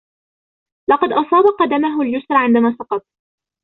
لقد أصاب قدمه اليسرى عندما سقط.